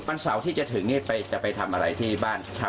เสาร์ที่จะถึงนี้จะไปทำอะไรที่บ้าน